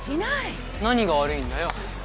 何が悪いんだよ。